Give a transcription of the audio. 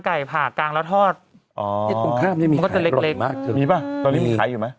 ใกล้โคตรยำ